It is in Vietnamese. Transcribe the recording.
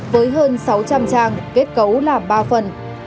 với hơn sáu trăm linh trang kết cấu làm ba phần